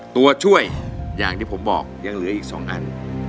ตัวช่วยอย่างที่ผมบอกยังเหลืออีก๒อัน